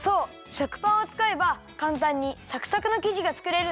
食パンをつかえばかんたんにサクサクのきじがつくれるんだよ！